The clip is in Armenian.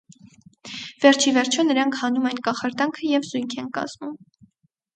Վերջիվերջո նրանք հանում են կախարդանքը և զույգ են կազմում։